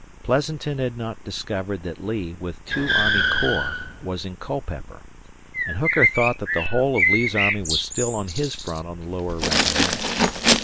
Pleasanton had not discovered that Lee, with two army corps, was in Culpeper; and Hooker thought that the whole of Lee's army was still on his front on the lower Rappahannock.